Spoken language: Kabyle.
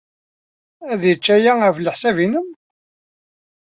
Ad yečč waya, ɣef leḥsab-nnem?